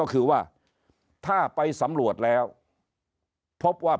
ก็คือว่าถ้าไปสำรวจแล้วพบว่า